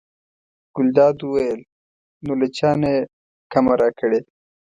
ګلداد وویل: نو له چا نه یې کمه راکړې.